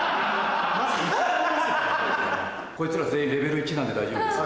こいつら全員レベル１なんで大丈夫です。